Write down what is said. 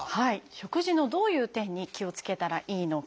食事のどういう点に気をつけたらいいのか。